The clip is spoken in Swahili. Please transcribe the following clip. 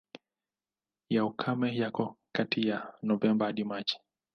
Ya ukame yako kati ya Novemba hadi Machi.